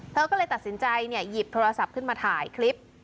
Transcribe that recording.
เธอก็เลยตัดสินใจหยิบโทรศัพท์ขึ้นมาถ่ายคลิป